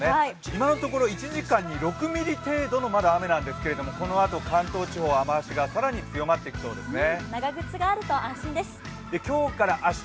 今のところまだ１時間に６ミリ程度の雨なんですけどこのあと関東地方、雨足が更に強まってきそうですね。